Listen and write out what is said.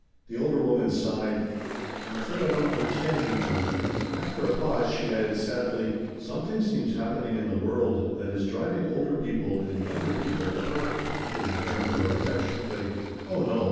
The older woman sighed. "I'm afraid I don't understand you, Katie." After a pause she added, sadly: "Something seems happening in the world that is driving older people and younger people apart." Katie turned to her affectionately. "Oh, no."